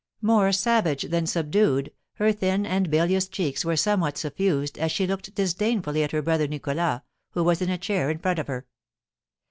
More savage than subdued, her thin and bilious cheeks were somewhat suffused, as she looked disdainfully at her brother, Nicholas, who was in a chair in front of her.